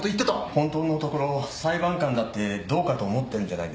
本当のところ裁判官だってどうかと思ってるんじゃないですか？